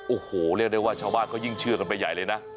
โอ้โหเรียกได้ว่าชาวบ้านเขายิ่งเชื่อกันไปใหญ่เลยนะ